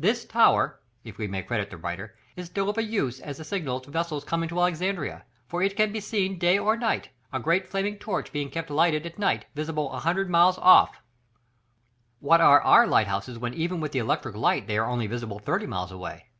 "This tower," if we may credit the writer, "is still of use as a signal to vessels coming to Alexandria, for it can be seen night or day, a great flaming torch being kept lighted at night, visible 100 miles off!" What are our light houses when even with the electric light they are only visible thirty miles away?